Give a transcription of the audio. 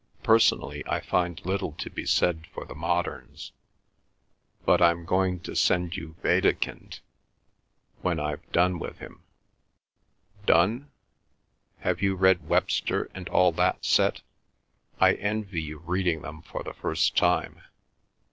Personally I find little to be said for the moderns, but I'm going to send you Wedekind when I've done him. Donne? Have you read Webster and all that set? I envy you reading them for the first time.